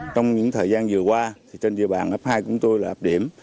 trong những thời gian vừa qua trên địa bàn f hai của tôi là ập điểm